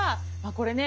これね